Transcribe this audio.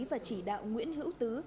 và chỉ đạo nguyễn hữu tứ